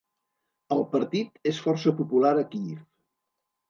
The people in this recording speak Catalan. El partit és força popular a Kíev.